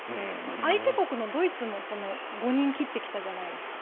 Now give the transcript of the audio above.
相手国のドイツも５人切ってきたじゃないですか。